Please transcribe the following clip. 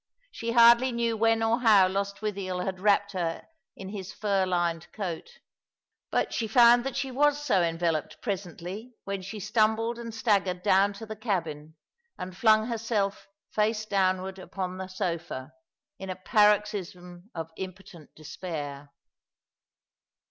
She hardly knew when or how Lostwithiel had wrapped her in his fur lined coat; but she found that she was so enveloped presently when she stumbled and staggered down to the cabin, and flung herself face downward upon the sofa, in a paroxysm of impotent despair.